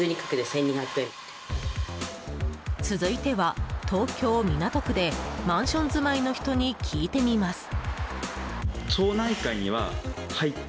続いては、東京・港区でマンション住まいの人に聞いてみます。